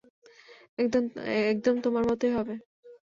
একদম তোমার মতোই হবে।